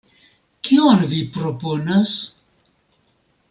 Kion vi proponas?